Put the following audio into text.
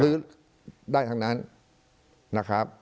หรือได้ทางนั้นนะครับ